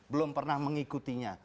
belum pernah mengikutinya